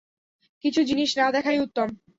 কিছু জিনিস না দেখাই উওম।